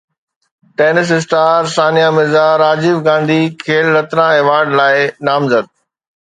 tense star Sania Mirza Rajiv Gandhi Khel Ratna award لاءِ نامزد